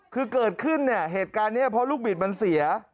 คือเกิดขึ้นเนี่ยเหตุการณ์นี้เพราะลูกบิดมันเสีย